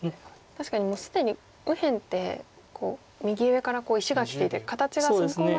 確かにもう既に右辺って右上から石がきていて形がそこまで。